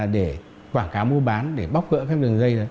để quảng cáo mua bán để bóc vỡ các đường dây